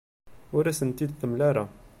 Ur asen-t-id-temla ara.